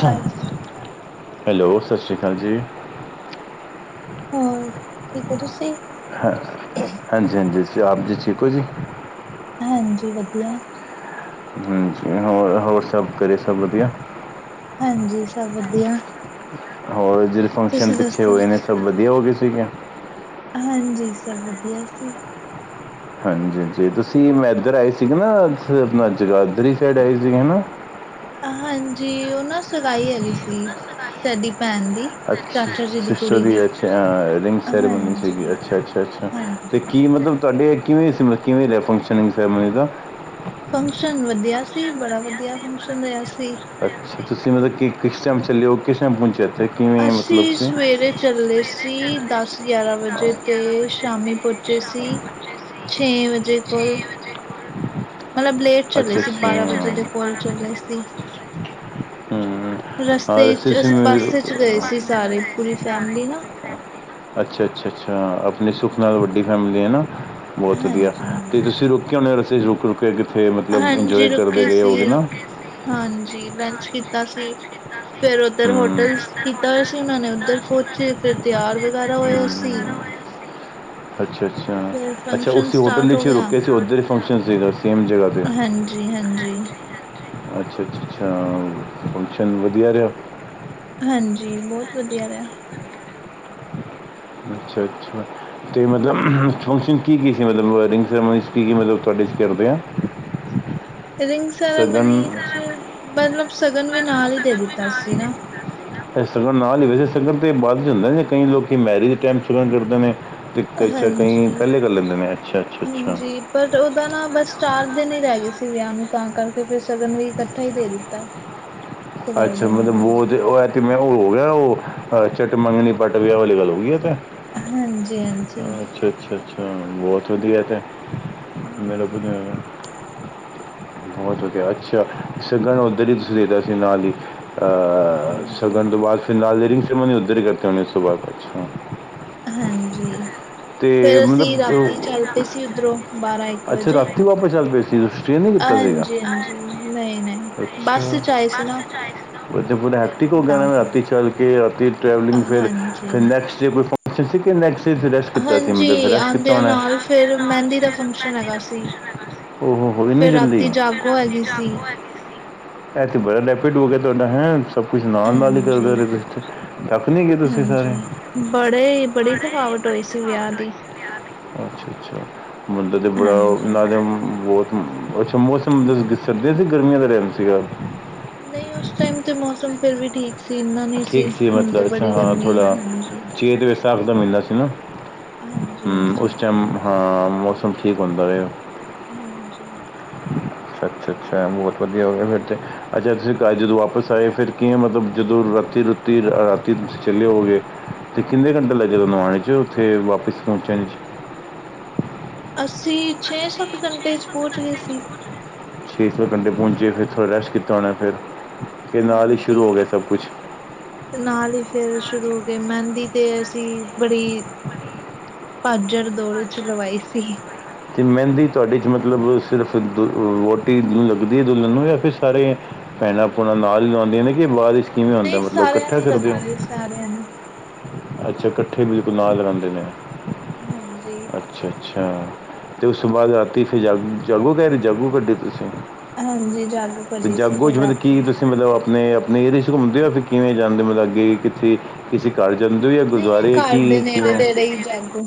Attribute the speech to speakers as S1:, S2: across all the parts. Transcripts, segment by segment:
S1: ਹਾਂਜੀ।
S2: ਹੈਲੋ, ਸਤਿ ਸ਼੍ਰੀ ਅਕਾਲ ਜੀ।
S1: ਹੋਰ, ਠੀਕ ਓ ਤੁਸੀ?
S2: ਹਾਂਜੀ, ਹਾਂਜੀ-ਹਾਂਜੀ, ਤੁਸੀ ਆਪ ਜੀ ਠੀਕ ਓ ਜੀ?
S1: ਹਾਂਜੀ, ਵਦੀਆ।
S2: ਹਾਂਜੀ, ਹੋਰ, ਹੋਰ ਸਬ ਕੱਰੇ ਸਬ ਵਦੀਆ?
S1: ਹਾਂਜੀ, ਸਬ ਵਦੀਆ।
S2: ਹੋਰ, ਜੇੜੇ ਫੰਕਸ਼ਨ ਪਿੱਛੇ
S1: ਦੱਸੋ?
S2: ਹੋਏ ਨੇ, ਸਬ ਵਦੀਆ ਹੋਗੇ ਸੀਗੇ?
S1: ਹਾਂਜੀ, ਸਬ ਵਦੀਆ ਸੀ।
S2: ਹਾਂਜੀ, ਹਾਂਜੀ ਤੁਸੀ ਮੈਂ ਐੱਧਰ ਆਏ ਸੀਗੇ ਨਾ, [unintelligible] ਆਪਨਾ ਜਗਾਧਰੀ ਸਾਈਡ ਆਏ ਸੀਗੇ ਹਨਾ
S1: ਹਾਂਜੀ, ਓ ਨਾ ਸਗਾਈ ਹੈਗੀ ਸੀ, ਸਾਡੀ ਪੈਨ ਦੀ।
S2: ਅੱਛਾ,
S1: ਚਾਚਾ ਜੀ
S2: ਸਿਸਟਰ
S1: ਕੁੜੀ
S2: ਦੀ, ਆ-ਅੱਛਾ ਰਿੰਗ ਸੈਰੇਮਨੀ ਸੀਗੀ,
S1: ਹਾਂਜੀ।
S2: ਅੱਛਾ, ਅੱਛਾ, ਅੱਛਾ। ਤੇ
S1: ਹਾਂਜੀ।
S2: ਕੀ ਮਤਲਬ, ਤੋਆਡੇ ਕਿਵੇਂ ਸੀ, [unintelligible] ਕਿਵੇਂ ਰੇਆ ਫੰਕਸ਼ਨ ਸੈੱਰੇਮੋਨੀ ਦਾ?
S1: ਫੰਕਸ਼ਨ ਵਦੀਆ ਸੀ ਬੜਾ ਵਦੀਆ ਫੰਕਸ਼ਨ ਹੋਯਾ ਸੀ।
S2: ਅੱਛਾ ਤੁਸੀ ਮਤਲਬ ਕਿ ਕਿਸ ਟੈਮ ਚੱਲੇ ਓ ਕਿਸ ਟੈਮ ਪੋਂਚੇ ਓ ਓਥੇ ਕਿਵੇਂ ਮਤਲਬ
S1: ਅਸੀਂ
S2: ਤੁਸੀ
S1: ਸਵੇਰੇ ਚੱਲੇ ਸੀ ਦੱਸ-ਗਿਆਰਾ ਵਜੇ ਤੇ ਸ਼ਾਮੀ ਪੋੱਚੇ ਸੀ ਛੇ ਵਜੇ ਕੋਲ, ਮਲਬ ਲੇਟ ਚੱਲੇ
S2: ਅੱਛਾ
S1: ਸੀ
S2: ਅੱਛਾ
S1: ਬਾਰਾ ਵਜੇ ਦੇ ਕੋਲ ਚੱਲੇ ਸੀ।
S2: ਹੂੰ। ਆ
S1: ਰਸਤੇ ਇੱਚ
S2: ਸੀ
S1: ਅਸੀ
S2: ਮੇਰੇ
S1: ਬੱਸ ਇੱਚ ਗਏ ਸੀ ਸਾਰੇ, ਪੂਰੀ ਫੈਮਲੀ ਨਾ।
S2: ਅੱਛਾ-ਅੱਛਾ, ਅੱਛਾ ਆਪਨੀ ਸੁੱਖ ਨਾਲ ਵੱਡੀ
S1: ਹਾਂਜੀ,
S2: ਫੈਮਲੀ ਐ ਨਾ, ਬੋਤ ਵਦੀਆ
S1: ਹਾਂਜੀ,
S2: ਤੇ
S1: ਹਾਂਜੀ।
S2: ਤੁਸੀ ਰੂ [unintelligible] ਰਸਤੇ ਚ ਰੁਕ, ਰੁਕ ਕੇ ਕਿੱਥੇ ਮਤਲਬ ਇੰਜੋਏ
S1: ਹਾਂਜੀ
S2: ਕਰਦੇ
S1: ਰੁਕੇ
S2: ਗਏ ਹੋਵੋਗੇ
S1: ਸੀ
S2: ਨਾ।
S1: ਹਾਂਜੀ, ਲੰਚ ਕੀਤਾ ਸੀ ਫੇਰ ਓੱਧਰ
S2: ਹੂੰ
S1: ਹੋਟਲ ਕੀਤਾ ਹੋਯਾ ਸੀ ਓਨਾਂ ਨੇ ਓੱਧਰ
S2: ਹੋਇਆ
S1: ਪੋਂਚੇ ਫੇਰ ਤਯਾਰ ਵਗੈਰਾ ਹੋਏ ਅਸੀ।
S2: ਅੱਛਾ-ਅੱਛਾ,
S1: ਫਿਰ
S2: ਅੱਛਾ
S1: ਫੰਕਸ਼ਨ
S2: ਉਸੀ ਹੋਟਲ
S1: ਸਟਾਰਟ ਹੋ
S2: ਇੱਚ ਈ
S1: ਗਿਆ
S2: ਰੁਕੇ ਸੀ, ਓੱਧਰ ਈ ਫੰਕਸ਼ਨ ਸੀਗਾ ਸੇਮ ਜਗਾ ਤੇ।
S1: ਹਾਂਜੀ-ਹਾਂਜੀ।
S2: ਅੱਛਾ-ਅੱਛਾ, ਅੱਛਾ ਫੰਕਸ਼ਨ ਵਦੀਆ ਰੇਆ?
S1: ਹਾਂਜੀ, ਬੋਤ ਵਦੀਆ ਰੇਆ।
S2: ਅੱਛਾ-ਅੱਛਾ ਅਤੇ ਮਤਲਬ ਫੰਕਸ਼ਨ ਕੀ-ਕੀ ਸੀ ਮਤਲਬ ਰਿੰਗ ਸੈਰਾਮਨੀ ਕੀ ਕੀ ਮਤਲਬ ਤੁਹਾਡੇ ਕਰਦੇ ਹਾਂ। [inaudible]
S1: ਰਿੰਗ ਸੈਰਾਮਨੀ ਚ ਮਤਲਬ ਸਗਨ ਵੀ ਨਾਲ ਹੀ ਦੇ ਦਿੱਤਾ ਸੀ ਨਾ।
S2: ਸ਼ਗਨ ਨਾਲ ਹੀ ਵੈਸੇ ਸਗਨ ਤੇ ਬਾਅਦ ਚ ਹੁੰਦੇ ਨੇ ਕਈ ਲੋਕ ਮੈਰਿਜ ਟਾਈਮ ਸ਼ਗਨ ਕਰਦੇ ਨੇ ਤੇ ਤੇ ਅੱਛਾ ਕਈ
S1: ਹਾਂਜੀ।
S2: ਪਹਿਲੇ ਕਰ ਲੈਂਦੇ ਨੇ ਅੱਛ-ਅੱਛਾ, ਅੱਛਾ।
S1: ਹਾਂਜੀ ਪਰ ਉਹਦਾ ਨਾ ਬਸ ਚਾਰ ਦਿਨ ਹੀ ਰਹਿ ਗਏ ਸੀ ਵਿਆਹ ਨੂੰ ਤਾਂ ਕਰਕੇ ਫਿਰ ਸਗਨ ਵੀ ਇਕੱਠਾ ਹੀ ਦੇ ਦਿੱਤਾ। ਸਗਾਈ
S2: ਅੱਛਾ
S1: ਦੇ
S2: ਮਤਲਬ ਬਹੁਤ
S1: ਨਾਲ-ਨਾਲ
S2: ਉਹ ਕਿਵੇਂ ਉਹ ਹੋ ਗਿਆ ਉਹ ਚਟ ਮੰਗਣੀ ਪੱਟ ਵੀ ਵਾਲੀ ਗੱਲ ਹੋ ਗਈ ਆ ਤੇ।
S1: ਹਾਂਜੀ-ਹਾਂਜੀ।
S2: ਅੱਛਾ-ਅੱਛਾ, ਅੱਛਾ ਬੋਤ ਵਦੀਆ ਐ ਤੇ ਮੇਰਾ [unintelligible]
S1: ਹਾਂਜੀ।
S2: ਬੋਤ ਵਦੀਆ, ਅੱਛਾ, ਸਗਨ ਓਧਰ ਈ ਤੁਸੀ ਦੇਤਾ ਸੀ ਨਾਲ ਈ। ਅ
S1: ਹਾਂਜੀ,
S2: ਸਗਨ ਤੋ ਬਾਦ ਫਿਰ ਨਾਲ ਈ ਰਿੰਗ ਸੈਰੇਮਨੀ ਓੱਧਰ ਈ ਕਰਤੀ ਹੋਨੀ ਉਸ ਤੋਂ ਬਾਦ ਅੱਛਾ।
S1: ਹਾਂਜੀ।
S2: ਤੇ
S1: ਫੇਰ
S2: ਮਤਲਬ,
S1: ਅਸੀਂ
S2: ਤੇ ਓ
S1: ਰਾਤੀ ਚੱਲ ਪਏ ਸੀ ਉੱਧਰੋਂ ਬਾਰਾਂ ਇੱਕ
S2: ਅੱਛਾ
S1: ਵਜੇ
S2: ਰਾਤੀ ਵਾਪਸ ਚੱਲ ਪਏ ਸੀ। ਸਟੇ ਨੀ ਕੀਤਾ ਸੀਗਾ,
S1: ਹਾਂਜੀ-ਹਾਂਜੀ ਨਹੀਂ-ਨਹੀਂ ਬੱਸ
S2: ਅਛਾ।
S1: ਚ ਆਏ ਸੀ ਨਾ
S2: ਫੇਰ ਤੇ ਪੂਰਾ
S1: ਫਿਰ
S2: ਹੈਕਟਿਕ ਹੋ ਗਯਾ
S1: ਤਾਂ
S2: ਹੋਨਾ ਰਾਤੀ
S1: ਕਰਕੇ
S2: ਚਲ ਕੇ ਰਾਤੀ ਟ੍ਰੈਵਲਿੰਗ ਫੇਰ
S1: ਹਾਂਜੀ।
S2: ਨੈਕਸਟ [unintelligible] ਮਤਲਬ ਫਿਰ
S1: ਹਾਂਜੀ,
S2: ਰੈਸਟ ਕੀਤਾ
S1: ਆਂਦਯਾ
S2: ਹੋਣਾ ਹੈ?
S1: ਨਾਲ ਫੇਰ ਮੈਂਦੀ ਦਾ ਫੰਕਸ਼ਨ ਹੈਗਾ ਸੀ।
S2: ਓਹ ਹੋ ਹੋ ਇੰਨੀ
S1: ਫੇਰ
S2: ਜਲਦੀ
S1: ਰਾੱਤੀ ਜਾਗੋ ਹੈਗੀ ਸੀ।
S2: ਇਹ ਬੜਾ ਲੈਪੀਡ ਹੋ ਗਿਆ ਤੁਹਾਡਾ ਹੈ। ਸਭ ਕੁਛ ਨਾਲ-ਨਾਲ ਹੀ ਕਰਦੇ
S1: ਹਾਂਜੀ
S2: ਰਹੇ ਥੱਕ ਨੀ ਗਏ ਤੁਸੀਂ ਸਾਰੇ।
S1: ਹਾਂਜੀ, ਬੜੇ ਬੜੀ ਥਕਾਵਟ ਹੋਈ ਸੀ ਵਿਆਹ ਦੀ।
S2: ਅੱਛਾ-ਅੱਛਾ ਮੁੰਦਾ ਤੇ ਬੜਾ
S1: ਹਾਂਜੀ।
S2: [unintelligible] ਅੱਛਾ ਮੌਸਮ ਸਰਦੀਆਂ ਸੀ ਗਰਮੀਆਂ ਦਾ ਟਾਈਮ ਸੀਗਾ।
S1: ਨਹੀਂ ਉਸ ਟਾਈਮ ਤੇ ਮੌਸਮ ਫੇਰ ਵੀ ਠੀਕ ਸੀ ਇੰਨਾ ਨੀ
S2: ਠੀਕ ਸੀ ਮਤਲਬ ਅੱਛਾ ਹਾਂ ਥੋਹਾ ਚੀ ਤਾ ਵੈਸ ਦਾ ਮਿਲਦਾ ਸੀ ਨਾ
S1: ਹਾਂਜੀ-ਹਾਂਜੀ,
S2: ਉਸ
S1: ਹਾਂਜੀ,
S2: ਟਾਈਮ ਹਾਂ ਮੌਸਮ ਠੀਕ ਹੁੰਦਾ ਵੇ।
S1: ਹਾਂਜੀ
S2: ਅੱਛਾ-ਅੱਛਾ ਬਹੁਤ ਵਧੀਆ ਹੋ ਗਿਆ ਫਿਰ ਤੇ। ਅੱਛਾ ਤੁਸੀਂ ਜਦੋਂ ਵਾਪਸ ਆਏ ਫਿਰ ਕਿਂ ਮਤਲਬ ਜਦੋਂ ਰਾਤੀ ਰੂਤੀ ਰਾਤੀ ਚੱਲੇ ਹੋ ਗੇ। ਤੇ ਕਿੰਨੇ ਘੰਟੇ ਲੱਗੇ ਤੁਹਾਨੂੰ ਆਣੇ ਚ ਉੱਥੇ ਵਾਪਿਸ ਪਹੁੰਚਣ ਚ।
S1: ਅੱਸੀ ਛੇ ਸੱਤ ਘੰਟੇ 'ਚ ਪਹੁੰਚ ਗਏ ਸੀ।
S2: ਛੇ ਸੱਤ ਘੰਟੇ ਪਹੁੰਚੇ ਫਿਰ ਥੋੜਾ ਰੈਸਟ ਕੀਤਾ ਉਹੇ ਫਿਰ ਕਿ ਨਾਲ ਹੀ
S1: ਹਾਂਜੀ
S2: ਸ਼ੁਰੂ ਹੋ ਗਿਆ ਸਭ ਕੁਛ
S1: ਨਾਲ ਹੀ ਫਿਰ ਸ਼ੁਰੂ ਹੋ ਗਏ ਮਹਿੰਦੀ ਤੇ ਅਸੀਂ ਬੜੀ ਭਾਜੜ ਦੌੜ 'ਚ ਲਵਾਈ ਸੀ।
S2: ਤੇ ਮਹਿੰਦੀ ਤੁਹਾਡੇ 'ਚ ਮਤਲਬ ਸਿਰਫ ਦੁ ਵਹੁਟੀ ਲੱਗਦੀ ਹੈ ਦੁਲਣ ਨੂੰ ਜਾਂ ਫਿਰ ਸਾਰੇ ਭੈਣਾਂ ਭੂਣਾ ਨਾਲ ਲਾਉਂਦੀਆਂ ਨੇ ਕਿ ਬਾਅਦ ਵਿੱਚ ਕਿਵੇਂ ਹੁੰਦਾ
S1: ਨਹੀਂ
S2: ਮਤਲਬ
S1: ਸਾਰਿਆਂ
S2: ਇਕੱਠਾ
S1: ਨੂੰ
S2: ਕਰਦੇ ਹੋ।
S1: ਲੱਗਦੀ ਏ, ਸਾਰਿਆਂ ਨੂੰ,
S2: ਅੱਛਾ ਕੱਠੇ ਬਿਲਕੁਲ ਨਾਲ ਲਗਾਂਦੇ ਨੇ।
S1: ਹਾਂਜੀ
S2: ਅੱਛਾ- ਅੱਛਾ ਤੇ ਉਸ ਤੋਂ ਬਾਅਦ ਰਾਤੀ ਫਿਰ ਜਾ ਜਾਗੋ ਘ ਜਾਗੋ ਕੱਢੀ ਤੁਸੀਂ
S1: ਹਾਂਜੀ, ਜਾਗੋ
S2: ਤੇ
S1: ਕੱਢੀ ਸੀ
S2: ਜਾਗੋ
S1: ਫਿਰ
S2: 'ਚ ਮਤਲਬ ਕੀ
S1: ਰਾਤੀ,
S2: ਤੁਸੀਂ ਮਤਲਬ ਆਪਣੇ ਨਹੀਂਂ ਘੁੰਮਦੇ ਹੋ ਫ ਕਿਵੇਂ ਜਾਂਦੇ ਮਤਲਬ ਅੱਗੇ ਕਿੱਥੇ। ਕਿਸੇ ਘਰ ਜਾਂਦੇ ਜਾਂ ਗੁਰਦੁਆਰੇ ਕਿ ਕਿਉਂ
S1: ਤੇ ਜਾਗੋ।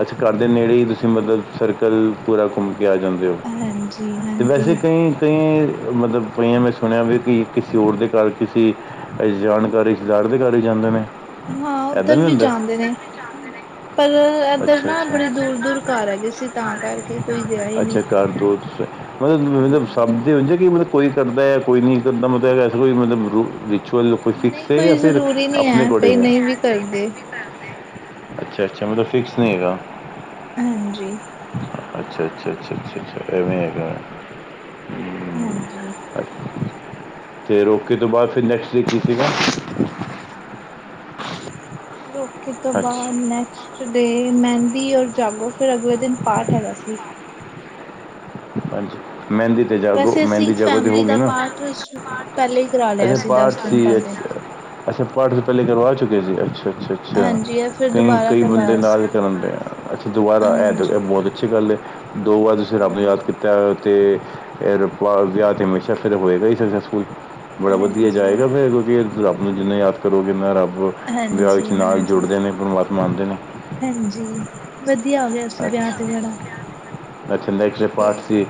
S2: ਅੱਛਾ ਕਰਦੇ ਨੇੜੇ ਹੀ ਤੁਸੀਂ ਮਤਲਬ ਸਰਕਲ ਪੂਰਾ ਘੁੰਮ ਆ ਜਾਂਦੇ ਹੋ
S1: ਹਾਂਜੀ
S2: ਅਤੇ ਵੈਸੇ
S1: ਹਾਂਜੀ
S2: ਕਈ ਕਈ ਮਤਲਬ ਕਈਆਂ ਮੈਂ ਸੁਣਿਆ ਵੀ ਕਿ ਕਿਸੇ ਹੋਰ ਦੇ ਘਰ ਕਿਸੀ ਇਸ ਜਾਣਕਾਰੀ ਯਾਰਦੇ ਘਰ ਜਾਂਦੇ ਨੇ
S1: ਹਾਂ
S2: ਐਦਾਂ
S1: ਉੱਧਰ ਵੀ
S2: ਹੁੰਦਾ
S1: ਜਾਂਦੇ ਨੇ ਪਲ ਏਧਰ
S2: ਅੱਛਾ
S1: ਨਾ ਬੜੇ
S2: ਅੱਛਾ
S1: ਦੂਰ- ਦੂਰ ਘਰ ਹੈਗੇ ਸੀ ਤਾਂ ਕਰਕੇ ਕੋਈ ਗਿਆ ਹੀ ਨਹੀਂ।
S2: ਅੱਛਾ ਘਰ ਦੋ ਤੁਸੀਂ- ਮਤਲਬ- ਮਤਲਬ ਸਭ
S1: ਹਾਂਜੀ
S2: ਦੇ ਹੁੰਦੇ ਕਿ ਮਤਲਬ ਕੋਈ ਕਰਦਾ ਹੈ ਕੋਈ ਨਹੀਂ ਕਰਦਾ ਮਤਲਬ ਐਸਾ ਕੋਈ ਮਤਲਬ ਰ ਕੋਈ ਫਿਕਸ
S1: ਨਹੀਂ
S2: ਹੈ ਜਾਂ
S1: ਕੋਈ
S2: ਫਿਰ
S1: ਜ਼ਰੂਰੀ ਨਹੀਂ
S2: ਆਪਣੇ
S1: ਕਈ
S2: ਅਕੋਡਿੰਗ ਹੈ।
S1: ਨਹੀਂ ਵੀ ਕਰਦੇ
S2: ਅੱਛਾ-ਅੱਛਾ ਮਤਲਬ ਫਿਕਸ ਨਹੀਂ ਹੈਗਾ।
S1: ਹਾਂਜੀ
S2: ਅੱਛਾ- ਅੱਛਾ- ਅੱਛਾ- ਅੱਛਾ -ਅੱਛਾ ਇਵੇਂ ਹੇਗਾ।
S1: ਹਾਂਜੀ
S2: ਅ ਰੋਕੇ ਤੋਂ ਬਾਅਦ ਫਿਰ ਨੈਕਸਟ ਡੇ ਕੀ ਸੀਗਾ।
S1: ਰੋਕੇ ਤੋਂ ਬਾਅਦ
S2: ਅੱਛਾ
S1: ਨੈਕਸਟ ਡੇ ਮਹਿੰਦੀ ਔਰ ਜਾਗੋ ਫਿਰ ਅਗਲੇ ਦਿਨ ਪਾਠ ਹੈਗਾ ਸੀ।
S2: ਹਾਂਜੀ ਮਹਿੰਦੀ ਤੇ ਜਾਗੋ
S1: ਵੈਸੇ ਅਸੀਂ
S2: ਮਹਿੰਦੀ ਜਾਗੋ ਤੇ
S1: ਫੈਮਿਲੀ ਦਾ ਪਾਠ ਪਹਿਲੇ ਕਰਾ ਲਿਆ
S2: ਅੱਛਾ
S1: ਸੀ ਦਸ
S2: ਪਾਠ
S1: ਦਿਨ
S2: ਸੀ
S1: ਪਹਿਲੇ
S2: ਅੱਛ ਪਾਠ ਤੁਸੀ ਕਰਵਾ ਚੁੱਕੇ ਸੀ ਅੱਛਾ -ਅੱਛਾ- ਅੱਛਾ। ਅੱਛਾ
S1: ਹਾਂਜੀ ਇਹ ਫਿਰ
S2: ਕਈ-
S1: ਦੁਬਾਰਾ
S2: ਕਈ ਬੰਦੇ
S1: ਕਰਵਾਇਆ
S2: ਨਾਲ
S1: ਸੀ
S2: ਕਰਨ ਦੇ ਆ ਅੱਛਾ ਦੁਬਾਰਾ ਐ
S1: ਹਾਂਜੀ
S2: ਬਹੁਤ ਅੱਛੀ ਗੱਲ ਹੈ ਦੋ ਵਾਰ ਤੁਸੀਂ ਰਬ ਨੂੰ ਯਾਦ
S1: ਹਾਂਜੀ,
S2: ਕੀਤਾ। ਅਤੇ ਵਿਆਹ ਤੇ ਹਮੇਸ਼ਾ ਫਿਰ ਹੋਏਗਾ ਸਕਸੈਸਫੁਲ ਬੜਾ ਵਧੀਆ ਜਾਏਗਾ
S1: ਹਾਂਜੀ,
S2: ਫਿਰ ਵਧੀਆ ਰੱਬ ਨੂੰ ਜਿੰਨੇ ਯਾਦ ਕਰੋਗੇ ਨਾ ਰੱਬ ਵਿਆਹ ਵਿੱਚ
S1: ਹਾਂਜੀ,
S2: ਨਾਲ
S1: ਹਾਂਜੀ।
S2: ਜੁੜਦੇ ਨੇ ਪਰਮਾਤਮਾ ਆਂਦੇ ਨੇ।
S1: ਹਾਂਜੀ ਵਧੀਆ ਹੋ ਗਿਆ ਸੀ ਵਿਆਹ
S2: ਅੱਛਾ
S1: ਤੇ ਬੜਾ
S2: ਅੱਛਾ ਨੈਕਸਟ ਡੇ ਪਾਠ ਸੀ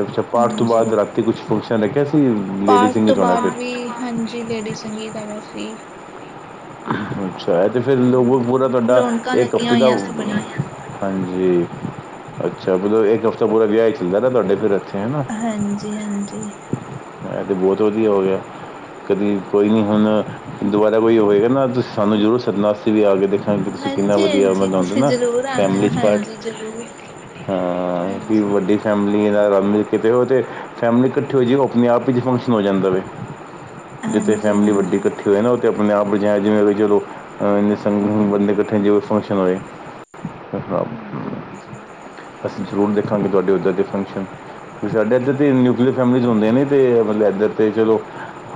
S2: ਅੱਛਾ ਪਾਠ ਤੋਂ
S1: ਹਾਂਜੀ।
S2: ਬਾਅਦ ਰੱਖ ਤੇ ਕੁਛ ਫੰਕਸ਼ਨ ਰੱਖਿਆ ਸੀ
S1: ਪਾਠ
S2: ਲੇਡੀਜ਼
S1: ਤੋਂ
S2: ਚਾਹਣਾ
S1: ਬਾਅਦ
S2: ਫਿਰ
S1: ਵੀ ਹਾਂਜੀ ਲੇਡੀ ਸੰਗੀਤ ਹੇਗਾ ਸੀ।
S2: ਅੱਛਾ ਇਹ ਤੇ ਫਿਰ ਲੋਕ ਪੂਰਾ
S1: ਹਾਂਜੀ।
S2: ਤੁਹਾਡਾ
S1: ਰੌਣਕਾਂ
S2: ਇੱਕ
S1: ਲੱਗੀਆਂ
S2: ਹਫ਼ਤੇ ਦਾ
S1: ਹੋਈਆਂ ਸੀ ਬੜੀਆਂ।
S2: ਹਾਂਜੀ ਅੱਛਾ ਮਤਲਬ ਇੱਕ ਹਫ਼ਤਾ ਪੂਰਾ ਵਿਆਹ ਹੀ ਚੱਲਦਾ ਨਾ ਤੁਹਾਡੇ ਫਿਰ ਇੱਥੇ ਹਨਾ।
S1: ਹਾਂਜੀ- ਹਾਂਜੀ
S2: ਇਹ ਤਾਂ ਬਹੁਤ ਵਧੀਆ ਹੋ ਗਿਆ। ਕਦੀ ਕੋਈ ਨੀ ਹੁਣ ਦੁਬਾਰਾ ਕੋਈ ਹੋਵੇਗਾ ਨਾ ਸਾਨੂੰ ਜ਼ਰੂਰ ਸੱਦਣਾ ਅਸੀਂ ਵੀ ਆ ਕੇ ਦੇਖ ਹ ਤੁਸੀਂ ਕਿੰਨਾ
S1: ਹਾਂਜੀ,
S2: ਵਧੀਆ
S1: ਹਾਂਜੀ
S2: ਮਨਾਉਂਦੇ
S1: ਤੁਸੀਂ
S2: ਨਾ
S1: ਜ਼ਰੂਰ ਆਣਾ
S2: ਫੈਮਲੀ 'ਚ ਪਾਠ
S1: ਹਾਂਜੀ ਜ਼ਰੂਰ।
S2: ਹਾਂ ਕਿ
S1: ਹਾਂਜੀ,
S2: ਵੱਡੀ ਫੈਮਿਲੀ ਦਾ ਰਲ ਕਿਤੇ ਹੋ ਤੇ ਫੈਮਲੀ ਇਕੱਠੀ ਹੋ ਜਾ ਆਪਣੇ ਆਪ ਹੀ ਫੰਕਸ਼ਨ ਹੋ ਜਾਂਦਾ ਵੇ। ਜਿੱਥੇ
S1: ਹਾਂਜੀ,
S2: ਫੈਮਿਲੀ ਵੱਡੀ
S1: ਹਾਂਜੀ,
S2: ਕੱਠੀ ਨਾ ਆਪਣੇ ਆਪ ਜਾਂ ਜਿਵੇਂ ਚਲੋ ਬੰਦੇ ਕੱਠੇ ਜਿਵੇਂ ਫੰਕਸ਼ਨ ਹੋਏ।
S1: ਹਾਂਜੀ, ਹਾਂਜੀ,
S2: [unintelligible] ਅਸੀਂ ਜ਼ਰੂਰ ਦੇਖਾਂਗੇ ਤੁਹਾਡੇ ਉਦਰ ਦੇ ਫੰਕਸ਼ਨ ਕਿਉਂਕ ਸਾਡੇ ਇੱਧਰ ਦੇ ਨਿਊਕਲੀਅਰ ਫੈਮਲੀਜ਼ ਹੁੰਦੇ ਨੇ। ਤੇ ਮਤਲਬ ਇੱਧਰ ਤੇ ਚਲੋ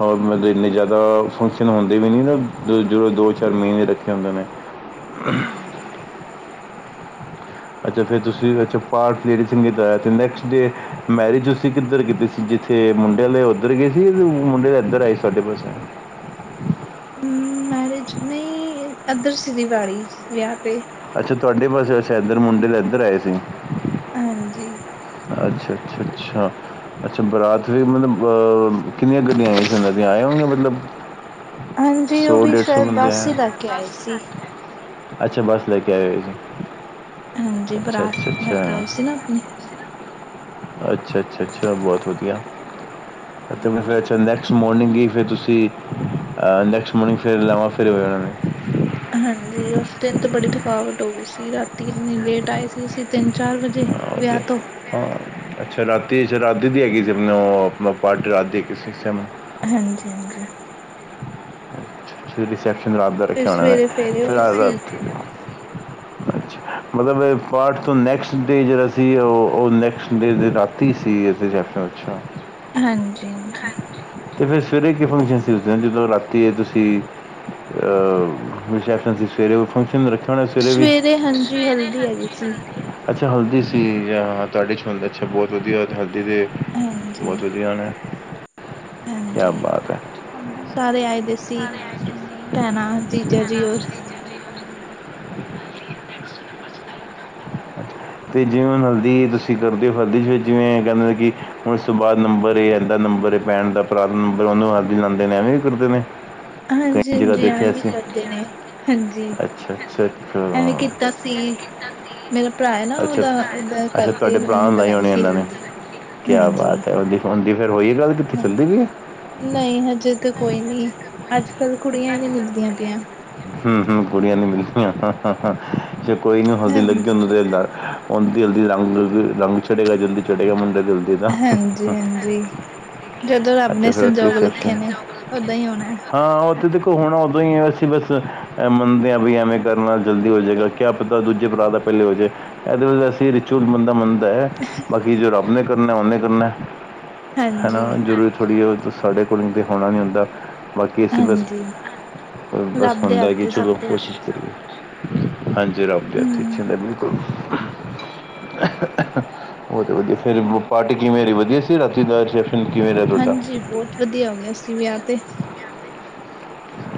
S2: ਹੋਰ ਮਤਲਬ ਇੰਨੇ ਜ਼ਿਆਦਾ ਫੰਕਸ਼ਨ ਹੁੰਦੇ ਵੀ ਨੀ ਨਾ ਜਦੋਂ ਦੋ ਚਾਰ ਮਹੀਨੇ ਰੱਖੇ ਹੁੰਦੇ ਨੇ। ਹ। [unintelligible]
S1: ਹਾਂਜੀ।
S2: ਅੱਛਾ ਫਿਰ ਤੁਸੀਂ ਅੱਛਾ ਪਾਠ ਲੇਡੀ ਸੰਗੀਤ ਤੇ ਨੈਕਸਟ ਡੇ ਮੈਰਿਜ ਤੁਸੀਂ ਕਿੱਧਰ ਕੀਤੀ ਸੀ। ਜਿੱਥੇ ਮੁੰਡੇ ਵਾਲੇ ਉੱਧਰ ਗਏ ਸੀ ਮੁਡੇ ਇੱਧਰ ਆਏ ਸਾਡੇ ਪਾਸੇ।
S1: ਹਮ ਮੈਰਿਜ ਨਹੀਂ ਇੱਧਰ ਸੀ ਰਿਵਾੜੀ ਵਿਆਹ ਤੇ।
S2: ਅੱਛਾ ਤੁਹਾਡੇ ਪਾਸੇ ਅਛਾ ਐਦਰ ਮੁੰਡੇ ਤੇ ਐਦਰ ਆਏ ਸੀ।
S1: ਹਾਂਜੀ।
S2: ਅੱਛਾ ਅੱਛਾ ਅੱਛਾ ਅੱਛਾ ਬਰਾਤ ਰੀ ਮਤਲਬ ਅਹ ਕਿੰਨੀਆਂ ਗੱਡੀਆਂ ਆਈ ਸੀ ਆਏ ਹੋਗੇ ਮਤਲਬ
S1: ਹਾਂਜੀ ਉਹ
S2: ਸੌ
S1: ਵੀ
S2: ਡੇਢ ਸੌ
S1: ਸ਼ਾਇਦ
S2: ਬੰਦੇ
S1: ਬਸ
S2: ਆਏ
S1: ਹੀ ਕਰ ਕੇ ਆਏ ਸੀ।
S2: ਅੱਛਾ ਬੱਸ ਲੈ ਕੇ ਆ ਸੀ।
S1: ਹਾਂਜੀ
S2: ਅੱਛਾ
S1: ਬਰਾਤ
S2: ਅੱਛਾ
S1: ਲੈ ਕੇ ਆਈ ਸੀ
S2: ਅੱਛਾ
S1: ਨਾ ਆਪਣੀ।
S2: ਅੱਛਾ ਅੱਛਾ ਅੱਛਾ ਬਹੁਤ ਵਧੀਆ ਫਿਰ
S1: ਹਾਂਜੀ
S2: ਚੰਦਰ। ਨੈਕਸਟ ਮੋਰਨਿੰਗ ਹੀ ਫਿਰ ਤੁਸੀ ਨੈਕਸਟ ਮੋਰਨਿੰਗ ਫਿਰ ਲਾਵਾਂ ਫੇਰੇ ਹੋ ਉਹਨਾਂ ਨੇ।
S1: ਹਾਂਜੀ ਉਸ ਦਿਨ ਤੇ ਬੜੀ ਥਕਾਵੱਟ ਹੋ ਗਈ ਸੀ ਰਾਤੀ ਇੰਨੀ ਲੇਟ ਆਈ ਸੀ ਅਸੀ ਤਿੰਨ ਚਾਰ ਵਜੇ।
S2: ਹਾਂ, ਤੇ
S1: ਵਿਆਹ ਤੋਂ।
S2: ਹਾਂ ਅੱਛਾ ਰਾਤੀ ਅੱਛਾ ਰਾਤੀ ਦੇ ਦੀ ਕਿ ਆਪ ਨੇ ਉਹ ਆਪਣਾ ਪਾਰਟੀ ਰਾਤ ਦੀ ਕਿਸੇ।
S1: ਹਾਂਜੀ ਹਾਂਜੀ।
S2: ਫਿਰ ਰਿਸੈਪਸ਼ਨ ਰਾਤ ਦਾ
S1: ਫਿਰ
S2: ਰੱਖਿਆ ਹੋਣਾ
S1: ਸਵੇਰੇ ਫੇਰੇ
S2: ਫਿਰ।
S1: ਹੋਏ ਸੀ
S2: ਅੱਛਾ ਮਤਲੱਬ ਪਾਠ ਤੋਂ ਨੈਕਸਟ ਡੇ ਜਿਹੜਾ ਸੀ ਉਹ ਉਹ ਨੈਕਸਟ ਡੇ ਦੇ ਰਾਤ। ਤੀਹ ਸੀ ਏਜ਼ ਅੱਛਾ
S1: ਹਾਂਜੀ ਹਾਂਜੀ।
S2: ਤੇ ਫਿਰ ਸਵੇਰੇ ਕੀ ਫੰਕਸ਼ਨ ਸੀ ਉਸ ਦਿਨ ਜਦੋਂ ਰਾਤੀ ਤੁਸੀਂ ਅ ਰਿਸੈਪਸ਼ਨ ਸੀ ਸਵੇਰੇ ਉਹ ਫੰਕਸ਼ਨ ਰੱਖੇ।
S1: ਸਵੇਰੇ ਹਾਂਜੀ ਹਲਦੀ ਹੈਗੀ ਸੀ।
S2: ਅੱਛਾ ਹਲਦੀ ਸੀ ਜਾਂ ਹਾਂ ਤੁਹਾਡੇ ਚ ਛੋਲੇ ਅੱਛਾ ਬਹੁਤ ਵਧੀਆ ਹਲਦੀ ਦੇ। ਬਹੁਤ ਵਧੀਆ ਆਣਾ।
S1: ਹੰਜੀ ਸਾਰੇ ਆਏ ਦੇ ਸੀ ਭੈਣਾਂ ਜੀਜਾ ਜੀ ਹੋਰ
S2: ਤੇ ਜਿਵੇਂ ਹੁਣ ਹਲਦੀ ਤੁਸੀਂ ਕਰਦੇ ਹੋ ਹਲਦੀ ਚ ਜਿਵੇਂ ਕਹਿੰਦੇ ਕਿ ਹੁਣ ਇਸ ਤੋਂ ਬਾਅਦ ਨੰਬਰ ਏ ਐਦਾ ਨੰਬਰ। ਪੈਣ ਦਾ ਭਰਾ ਉਹਨੂੰ ਹਲਦੀ ਲਾਦੇ ਨੇ ਐਵੇਂ ਵੀ ਕਰਦੇ ਨੇ।
S1: ਹਾਂਜੀ
S2: ਕਈ ਜਗ੍ਹਾ
S1: ਹਾਂਜੀ
S2: ਦੇਖਿਆ
S1: ਐਵੇਂ ਵੀ
S2: ਅਸੀਂ
S1: ਕਰਦੇ ਨੇ ਹਾਂਜੀ
S2: ਅੱਛਾ ਅੱਛਾ ਅੱਛਾ
S1: ਐਵੇਂ ਕਿ। ਅਸੀ। ਮੇਰਾ ਭਰਾ ਹੈ ਨਾ
S2: ਅੱਛਾ
S1: ਉਹਦਾ ਉਹਦਾ
S2: ਅੱਛਾ
S1: ਕਰਕੇ
S2: ਤੁਹਾਡੇ ਭਰਾ
S1: ਉਹਨੂੰ
S2: ਨੂੰ ਲਾਈ
S1: ਲਗਾਈ
S2: ਹੋਣੀ
S1: ਸੀ
S2: ਇਹਨਾਂ
S1: ਹਲਦੀ ਹਾਂਜੀ।
S2: ਹਾਂਜੀ ਫੇਰ ਹੋਈ ਗੱਲ। ਕਿੱਥੇ
S1: ਹਂ
S2: ਚੱਲਦੀ ਪਈ ਹੈ
S1: ਨਹੀਂ ਹਜੇ ਤੇ ਕੋਈ ਨੀ ਅੱਜ ਕੱਲ ਕੁੜੀਆਂ ਹੀ ਨਹੀਂ ਮਿਲਦੀਆਂ ਪਈਆਂ।
S2: ਹਮ ਹਮ ਕੁੜੀਆਂ ਨੀ ਮਿਲਦੀਆਂ ਕੋਈ ਨੀ ਹਲਦੀ ਲੱਗੀ
S1: ਹਾਂਜੀ
S2: ਉਹ ਦੇ ਡਰ। ਦੀ ਹਲਦੀ ਰੰਗ ਰੰਗ ਚੜੇਗਾ ਜਲਦੀ ਚੜੇਗਾ ਮੁੰਡੇ। ਦਾ
S1: ਹਾਂਜੀ ਹਾਂਜੀ ਜਦੋਂ ਰੱਬ ਨੇ
S2: ਅੱਛਾ ਫਿਰ ਅਸੀਂ
S1: ਸੰਜੋਗ
S2: ਰਿਸੈਪਸ਼ਨ
S1: ਲਿਖੇ ਨੇ ਉੱਦੋ ਹੀ ਹੋਣਾ।
S2: ਹਾਂ ਉਹ ਤੇ ਦੇਖੋ ਹੁਣ ਉਦੋਂ ਹੀ ਹੈ ਅਸੀ ਬਸ ਐ ਮੰਨਦੇ ਹਾਂ ਵੀ ਐਵੇਂ ਕਰਨ ਨਾਲ ਜਲਦੀ ਹੋ ਜੇਗਾ ਕਿਆ ਪਤਾ ਦੂਜੇ ਭਰਾ ਦਾ ਪਹਿਲੇ ਹੋ ਜੇ। ਇਹਦੇ ਵਿੱਚ ਅਸੀਂ ਰਿਚੁਅਲ ਬੰਦਾ ਮੰਨਦਾ ਹੈ।
S1: ਤੇ। [unintelligible]
S2: ਬਾਕੀ ਜੋ ਰੱਬ ਨੇ ਕਰਨਾ ਉਹਨੇ ਕਰਨਾ ਹੈਨਾ
S1: ਹਾਂਜੀ
S2: ਜ਼ਰੂਰੀ ਥੋੜ੍ਹੀ ਹੈ। ਸਾਡੇ ਕੋਲ ਤੇ ਹੋਣਾ ਨਹੀਂ ਹੁੰਦਾ। ਬਾਕੀ ਅਸੀਂ ਬਸ
S1: ਹਾਂਜੀ
S2: ਬਸ
S1: ਰੱਬ ਦੇ
S2: ਹੁੰਦਾ
S1: ਹੱਥ
S2: ਕਿ
S1: ਏ ਸਭ
S2: ਚਲੋ
S1: ਕੁੱਛ।
S2: ਕੋਸ਼ਿਸ਼ ਹਾਂਜੀ ਰੱਬ ਦੇ ਹੱਥ ਵਿੱਚ ਹੀ
S1: ਹੂੰ।
S2: ਹੁੰਦਾ ਬਿਲਕੁੱਲ। ਉਹ ਤੇ ਵਧੀਆ ਫਿਰ ਪਾਰਟੀ ਕਿਵੇਂ ਰਹੀ ਵਧੀਆ ਸੀ ਰਾਤੀ ਵਿਆਹ ਚੱ
S1: ਹਾਂਜੀ ਬਹੁਤ ਵਧੀਆ ਹੋ ਗਿਆ ਸੀ ਵਿਆਹ ਤੇ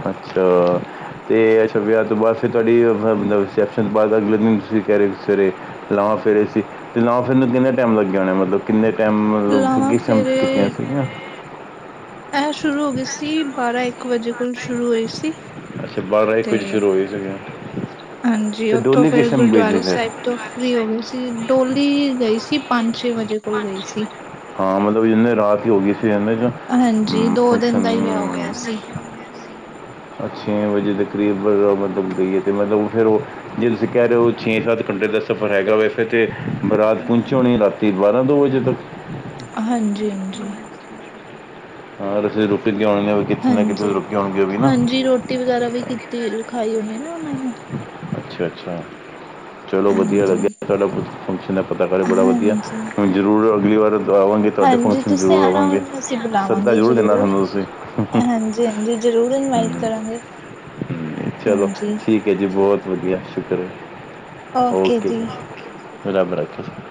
S2: ਅੱਛਾ ਤੇ ਅੱਛਾ ਵਿਆਹ ਤੋਂ ਬਾਅਦ ਫਿਰ ਤੁਹਾਡੀ ਰਿਸ਼ੈਪਸ਼ਨ ਤੋਂ ਬਾਅਦ ਅਗਲੇ ਦਿਨ ਤੁਸੀਂ ਕਹਿ ਰਹੇ ਹੋ ਸਵੇਰੇ ਲਾਵਾਂ ਫੇਰੇ ਸੀ ਤੇ ਲਾਵਾਂ ਫੇਰੇ ਨੂੰ ਕਿੰਨਾ ਟਾਈਮ ਲੱਗ ਹੋਣਾ ਮਤਲੱਬ ਕਿੰਨੇ ਟਾਈਮ ਮਤਲੱਬ
S1: ਲਾਵਾਂ
S2: ਕਿਸ ਟਾਈਮ 'ਚ
S1: ਫੇਰੇ
S2: ਕੀਤੀਆਂ ਸੀਗੀਆਂ
S1: ਇਹ ਸ਼ੁਰੂ ਹੋ ਗਈ ਸੀ ਬਾਰ੍ਹਾਂ ਇੱਕ ਵਜੇ ਕੋਲ ਸ਼ੁਰੂ ਹੋਈ ਸੀ
S2: ਅੱਛਾ ਇੱਕ
S1: ਤੇ
S2: ਵਜੇ ਸ਼ੁਰੂ ਹੋਈ ਸੀਗੀਆਂ
S1: ਹਾਂਜੀ
S2: ਤੇ
S1: ਉਥੋਂ
S2: ਡੋਲੀ
S1: ਫਿਰ
S2: ਕਿਸਮ ਗਈ ਸੀ
S1: ਗੁਰੂਦੁਆਰੇ
S2: ਫਿਰ
S1: ਸਾਹਿਬ ਤੋਂ ਫਰੀ ਹੋ ਗਈ ਸੀ ਡੋਲੀ ਗਈ ਸੀ ਪੰਜ ਛੇ ਵਜੇ ਕੋਲ ਗਈ ਸੀ
S2: ਹਾਂ ਮਤਲੱਬ ਜਿੰਨੇ ਰਾਤ ਹੀ ਹੋ ਗਈ ਸੀ ਇਹਨੇ ਚੱ
S1: ਹਾਂਜੀ ਦੋ ਦਿਨ ਦਾ ਹੀ ਵਿਆਹ ਹੋ ਗਿਆ ਸੀ
S2: ਛੇ ਵਜੇ ਦੇ ਕਰੀਬ ਮਤਲੱਬ ਗਈਏ ਅਤੇ ਮਤਲੱਬ ਫਿਰ ਉਹ ਜੇ ਤੁਸੀਂ ਕਹਿ ਰਹੇ ਹੋ ਛੇ ਸੱਤ ਘੰਟੇ ਦਾ ਸਫ਼ਰ ਹੈਗਾ ਵੈ ਫਿਰ ਤੇ ਬਰਾਤ ਪਹੁੰਚੀ ਹੋਣੀ ਰਾਤੀ ਤੇ ਬਾਂਰਾਂ ਦੋ ਵਜੇ ਤੱਕ
S1: ਹਾਂਜੀ ਹਾਂਜੀ
S2: ਹਹ ਰਸੀ ਰੁਪ
S1: ਹਾਂਜੀ ਹਾਂਜੀ ਰੋਟੀ ਵਗੈਰਾ ਵੀ ਕੀਤੀ ਖਾਈ ਹੋਣੀ ਨਾ ਉਹਨਾਂ ਨੇ
S2: ਅੱਛਾ ਅੱਛਾ ਚਲੋ ਵਧੀਆ ਲੱਗਿਆ
S1: ਹਾਂਜੀ
S2: ਤੁਹਾਡਾ ਫੰਕਸ਼ਨ ਦਾ ਪਤਾ ਕਰੇ ਬੜਾ ਵਧੀਆ
S1: ਹਾਂਜੀ
S2: ਜ਼ਰੂਰ ਅਗਲੀ ਵਾਰ ਤੋਂ ਆਵਾਂਗੇ ਤੁਹਾਡੇ
S1: ਹਾਂਜੀ
S2: ਫੰਕਸ਼ਨ
S1: ਤੁਸੀਂ
S2: ਜ਼ਰੂਰ
S1: ਆਣਾ
S2: ਆਵਾਂਗੇ
S1: ਹੁਣ ਅਸੀਂ
S2: ਸੱਦਾ
S1: ਬੁਲਾਵਾਂਗੇ
S2: ਜ਼ਰੂਰ ਦਿੰਣਾ ਹਾਹੁੰਾਨੂੰ ਤੁਸੀਂ
S1: ਹਾਂਜੀ ਹਾਂਜੀ ਜ਼ਰੂਰ ਇਨਵਾਈਟ
S2: ਹਮ,
S1: ਕਰਾਂਗੇ
S2: ਹਮ, ਚਲੋ
S1: ਹਾਂਜੀ
S2: ਠੀਕ ਹੈ ਜੀ ਬਹੁਤ ਵਧੀਆ ਸ਼ੁਕਰਆ ਓਕੇ ਜੀ। ਰੱਬ ਰਾਖਾ